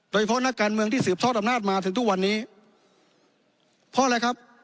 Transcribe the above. นักการเมืองที่สืบทอดอำนาจมาถึงทุกวันนี้เพราะอะไรครับ